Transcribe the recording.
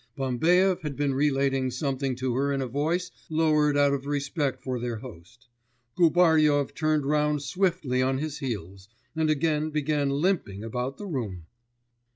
Bambaev had been relating something to her in a voice lowered out of respect for their host. Gubaryov turned round swiftly on his heels, and again began limping about the room.